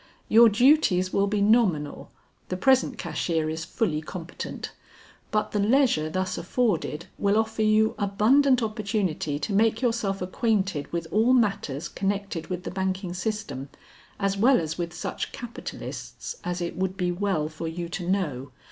your duties will be nominal, the present cashier is fully competent; but the leisure thus afforded will offer you abundant opportunity to make yourself acquainted with all matters connected with the banking system as well as with such capitalists as it would be well for you to know.